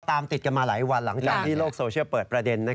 ติดกันมาหลายวันหลังจากที่โลกโซเชียลเปิดประเด็น